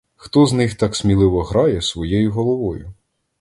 Хто з них так сміливо грає своєю головою?